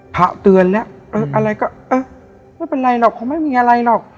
พระเตือนแล้วอะไรก็เออไม่เป็นไรหรอกคงไม่มีอะไรหรอก